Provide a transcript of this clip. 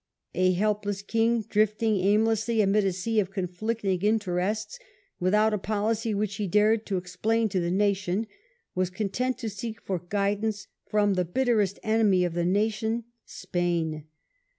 A helpless king, drifting aim lessly amid a sea of conflicting interests, without a policy which he dared to explain to the nation, was content to seek for guidance from the bitterest enemy of the nation — Spain.